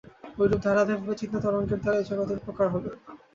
ঐরূপ ধারাবাহিক চিন্তাতরঙ্গের দ্বারাই জগতের উপকার হবে।